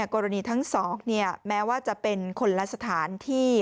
กรณีทั้งสองแม้ว่าจะเป็นคนละสถานที่